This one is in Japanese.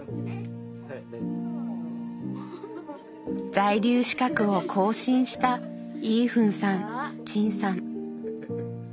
在留資格を更新したイーフンさんチンさん。